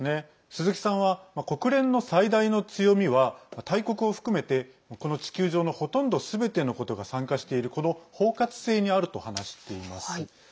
鈴木さんは国連の最大の強みは大国を含めて、この地球上のほとんどすべての国が参加しているこの包括性にあると話しています。